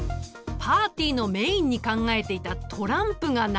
パーティーのメインに考えていたトランプがなかったのだ！